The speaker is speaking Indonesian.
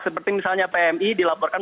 seperti misalnya pmi dilaporkan